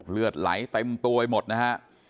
เลือดไหลเต็มตัวไปหมดนะฮะ